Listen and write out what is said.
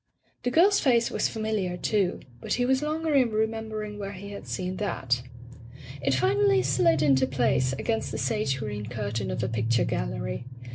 The girl's face was familiar, too, but he was longer in remembering where he had seen that. It finally slid into place, against the sage green curtain of a picture gallery.